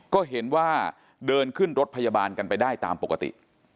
ก็เห็นว่าเดินขึ้นรถพยาบาลกันไปได้ตามปกติ